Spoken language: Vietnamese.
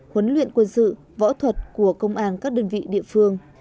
huấn luyện quân sự võ thuật của công an các đơn vị địa phương